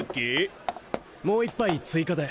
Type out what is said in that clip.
もう一杯追加で。